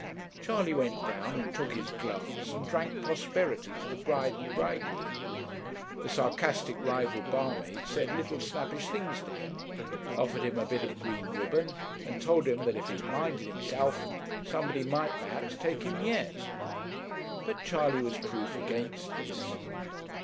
Charley went down and took his glass and drank 'prosperity to the bride and bridegroom.' The sarcastic rival barmaid said little snappish things to him, offered him a bit of green ribbon, and told him that if he 'minded hisself,' somebody might, perhaps, take him yet. But Charley was proof against this.